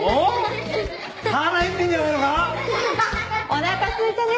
おなかすいたね。